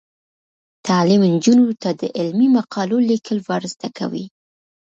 تعلیم نجونو ته د علمي مقالو لیکل ور زده کوي.